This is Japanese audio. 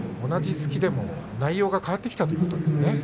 同じ突きでも内容が変わってきたということですね。